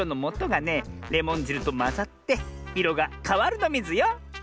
レモンじるとまざっていろがかわるのミズよ！